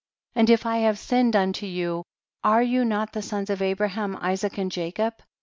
And if I have sin ned unto you, are you not the sons of Abraham, Isaac and Jacob